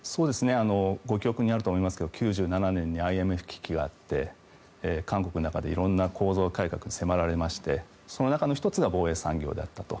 ご記憶にあると思いますが１９９７年にＩＭＦ危機があって、韓国の中でいろんな構造改革が迫られましてその中の１つが防衛産業であったと。